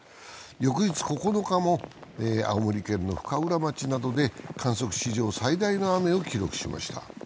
翌日９日も青森県の深浦町などで観測史上最大の雨を記録しました。